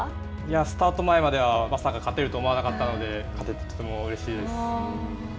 スタート前まではまさか勝てるとは思ってなかったので、とてもうれしいです。